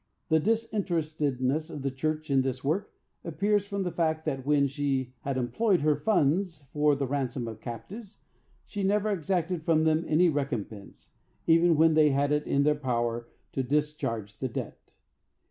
The disinterestedness of the church in this work appears from the fact that, when she had employed her funds for the ransom of captives she never exacted from them any recompense, even when they had it in their power to discharge the debt.